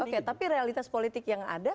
oke tapi realitas politik yang ada